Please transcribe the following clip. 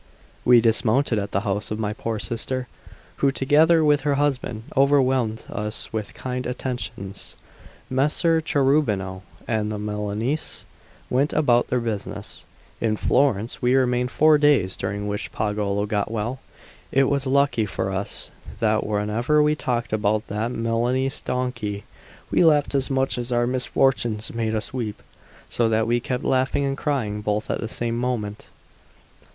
We dismounted at the house of my poor sister, who, together with her husband, overwhelmed us with kind attentions. Messer Cherubino and the Milanese went about their business. In Florence we remained four days, during which Pagolo got well. It was lucky for us that whenever we talked about that Milanese donkey, we laughed as much as our misfortunes made us weep, so that we kept laughing and crying both at the same moment.